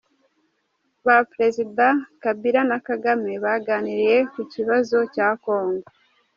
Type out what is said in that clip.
Ba Perezida Kabila na Kagame baganiriye ku kibazo cya congo